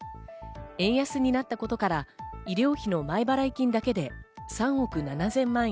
円安になったことから医療費の前払い金だけで３億７０００万円。